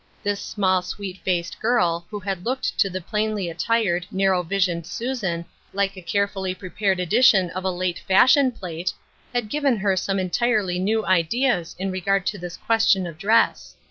This small sweet faced girl, who had looked to the plainly attired, narrow visioned Susan, Hke a carefully prepared edition of a late fashion plate, had given her some entirely new ideas in regard to this question of dress.